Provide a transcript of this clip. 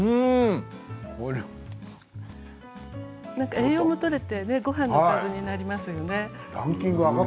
栄養もとれてねごはんのおかずになりますね。